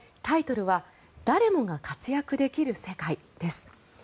タイトルは「誰もが活躍できる世界」です。